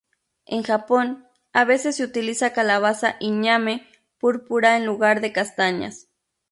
En Japón, a veces se utiliza calabaza y ñame púrpura en lugar de castañas.